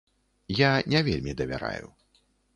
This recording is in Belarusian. Я не вельмі давяраю.